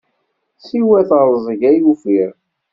Siwa teṛẓeg ay ufiɣ.